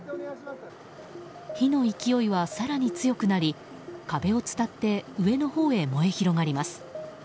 火の勢いは更に強くなり壁を伝って上のほうへ燃え広がります。